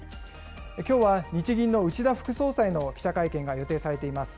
きょうは日銀の内田副総裁の記者会見が予定されています。